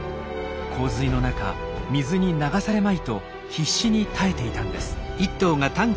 洪水の中水に流されまいと必死に耐えていたんです。